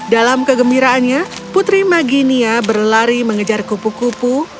dalam kegembiraannya putri maginia berlari mengejar kupu kupu